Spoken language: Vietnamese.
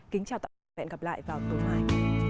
kính chào tạm biệt và hẹn gặp lại vào tối mai